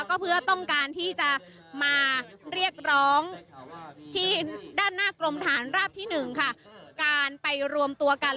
ก็เพื่อต้องการที่จะมาเรียกร้องที่ด้านหน้ากรมฐานราบที่๑ค่ะการไปรวมตัวกัน